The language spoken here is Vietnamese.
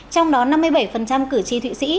trong đó năm mươi bảy cử tri thụy sĩ